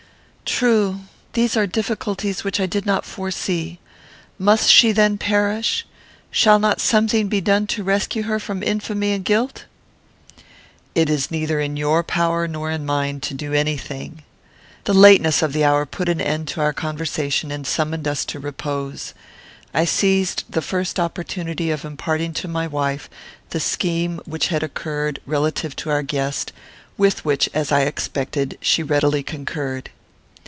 "True. These are difficulties which I did not foresee. Must she then perish? Shall not something be done to rescue her from infamy and guilt?" "It is neither in your power nor in mine to do any thing." The lateness of the hour put an end to our conversation and summoned us to repose. I seized the first opportunity of imparting to my wife the scheme which had occurred, relative to our guest; with which, as I expected, she readily concurred.